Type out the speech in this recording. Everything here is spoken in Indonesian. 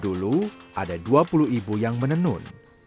dulu ada dua puluh ibu yang menenun